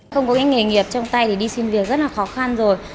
không có cái nghề nghiệp trong tay thì đi xin việc rất là khó khăn rồi